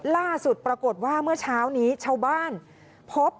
ล่าสุดปรากฏว่าเมื่อเช้านี้ชาวบ้านพบ